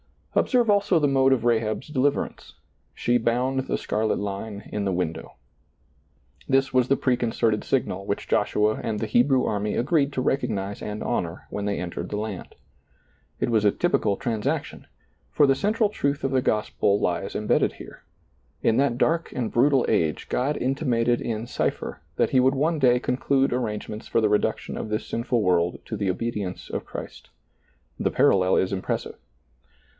Observe also the mode of Rahab's deliverance — she bound the scarlet line in the window. This was the preconcerted signal which Joshua and the Hebrew army agreed to recognize and honor when they entered the land. It was a ^rpical transaction, for the central truth of the gospel lies imbedded here. In that dark and brutal age God intimated in cipher that He would one day conclude arrangements for the reduction of this sinful world to the obedience of Christ. The parallel is impressive.